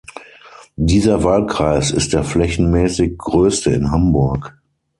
Dieser Wahlkreis ist der flächenmäßig größte in Hamburg.